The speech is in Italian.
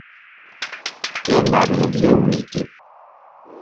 E andarono via uniti.